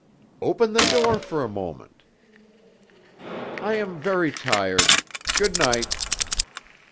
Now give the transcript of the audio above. "Open the door for a moment." "I am very tired. Good night."